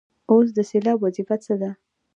اوس د سېلاب وظیفه څه ده.